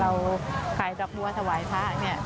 เราขายดอกบัวถวายพระเนี่ย